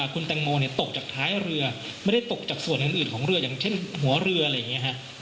คุณแตงโมตกจากท้ายเรือไม่ได้ตกจากส่วนอื่นของเรืออย่างเช่นหัวเรืออะไรอย่างนี้ฮะ